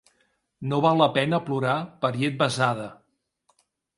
No val la pena plorar per llet vessada.